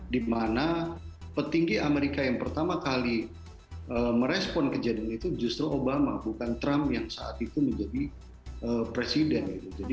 dimana petinggi amerika yang pertama kali merespon kejadian itu justru obama bukan trump yang saat itu menjadi presiden